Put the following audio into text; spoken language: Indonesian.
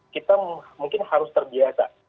kita mungkin harus terbiasa